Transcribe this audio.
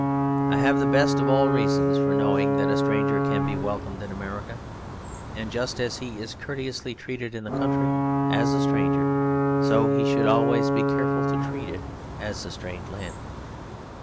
I have the best of all reasons for knowing that a stranger can be welcomed in America; and just as he is courteously treated in the country as a stranger, so he should always be careful to treat it as a strange land.